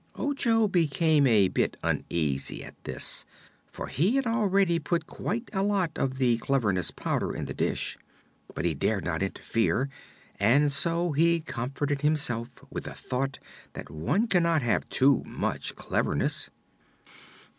Ojo became a bit uneasy at this, for he had already put quite a lot of the "Cleverness" powder in the dish; but he dared not interfere and so he comforted himself with the thought that one cannot have too much cleverness.